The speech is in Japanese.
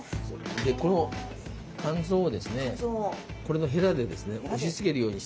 でこの肝臓をですねこれのへらで押しつけるようにして。